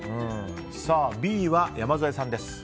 Ｂは山添さんです。